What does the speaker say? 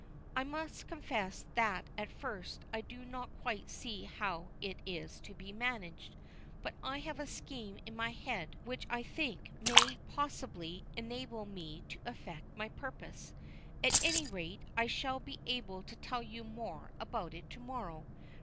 "I must confess that at first glance I do not quite see how it is to be managed, but I have a scheme in my head which I think may possibly enable me to effect my purpose. At any rate, I shall be able to tell you more about it to morrow.